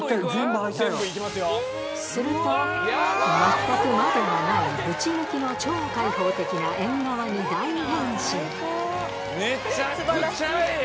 すると全く窓がないぶち抜きの超開放的な縁側に大変身